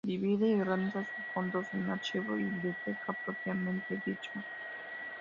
Divide y organiza sus fondos en Archivo y biblioteca propiamente dicha.